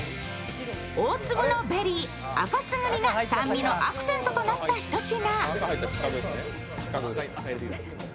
大粒のベリー、赤すぐりが酸味のアクセントとなったひと品。